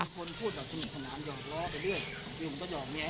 มีคนพูดกับคุณขนานหยอกล้อไปเรื่อย